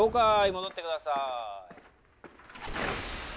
戻ってください